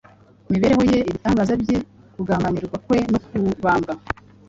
imibereho ye, ibitangaza bye, kugambanirwa kwe no kubambwa,